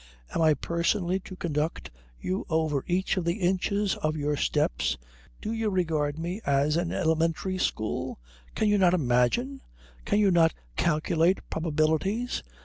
Am I personally to conduct you over each of the inches of your steps? Do you regard me as an elementary school? Can you not imagine? Can you not calculate probabilities?